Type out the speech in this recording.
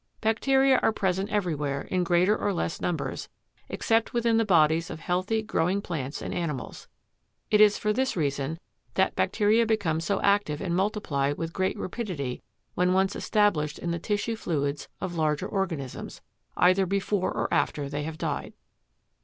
Bacteria are present everywhere in greater or less numbers, except within the bodies of healthy, growing plants and animals. It is for this reason that bacteria become so active and multiply with great rapidity when once established in the tissue fluids of larger organisms, either before or after they have died.